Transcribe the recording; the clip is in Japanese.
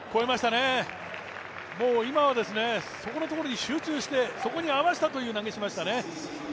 今はそこのところに集中してそこに合わせたという投げをしましたね。